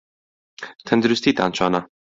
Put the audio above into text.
تەندروستیتان چۆنە؟